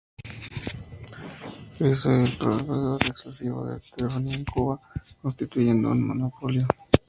Ese el proveedor exclusivo de telefonía en Cuba, constituyendo un monopolio.